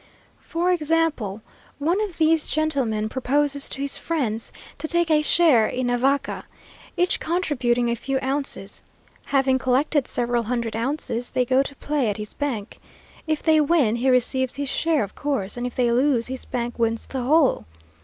For example, one of these gentlemen proposes to his friends to take a share in a vaca, each contributing a few ounces. Having collected several hundred ounces, they go to play at his bank. If they win, he receives his share, of course; and if they lose his bank wins the whole.